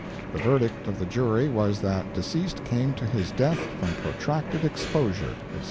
The verdict of the jury was that "deceased came to his death from protracted exposure," etc.